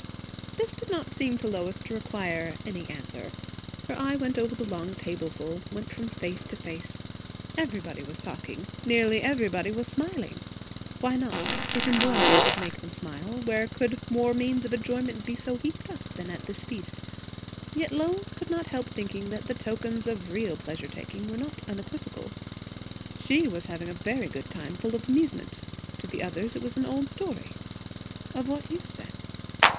This did not seem to Lois to require any answer. Her eye went over the long tableful; went from face to face. Everybody was talking, nearly everybody was smiling. Why not? If enjoyment would make them smile, where could more means of enjoyment be heaped up, than at this feast? Yet Lois could not help thinking that the tokens of real pleasure taking were not unequivocal. She was having a very good time; full of amusement; to the others it was an old story. Of what use, then?